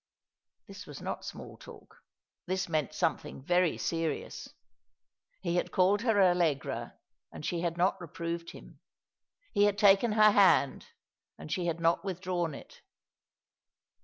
This was not small talk. This meant something very serious. He had called her Allegra, and she had not re proved him ; he had taken her hand and she had not with drawn it.